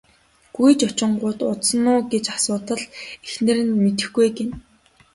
Гүйж очингуут удсан уу гэж асуутал эхнэр нь мэдэхгүй ээ гэнэ.